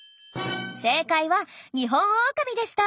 正解はニホンオオカミでした！